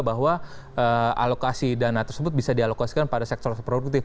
bahwa alokasi dana tersebut bisa dialokasikan pada sektor produktif